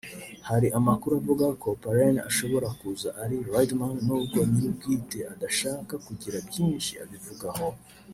Hari amakuru avuga ko Parraine ashobora kuza ari Riderman n’ubwo nyir’ubwite adashaka kugira byinshi abivugaho